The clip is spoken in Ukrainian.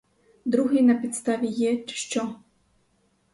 Другий на підставі є, чи що?